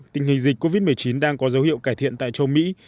tình hình dịch covid một mươi chín đang có dấu hiệu cải thiện tại châu mỹ